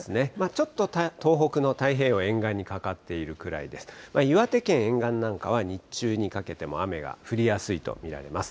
ちょっと東北の太平洋沿岸にかかっているくらいで、岩手県沿岸なんかは日中にかけても雨が降りやすいと見られます。